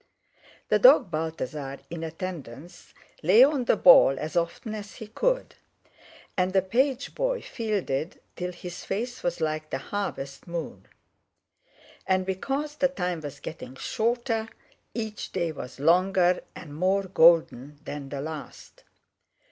The dog Balthasar, in attendance, lay on the ball as often as he could, and the page boy fielded, till his face was like the harvest moon. And because the time was getting shorter, each day was longer and more golden than the last.